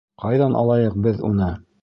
Ҡайҙан алайыҡ беҙ уны?